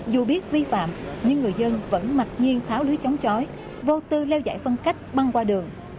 dù biết vi phạm nhưng người dân vẫn mạch nhiên tháo lưới chống chói vô tư leo giải phân cách băng qua đường